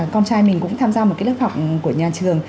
con trai mình cũng tham gia một cái lớp học của nhà trường